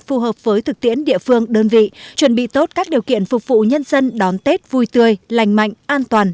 phù hợp với thực tiễn địa phương đơn vị chuẩn bị tốt các điều kiện phục vụ nhân dân đón tết vui tươi lành mạnh an toàn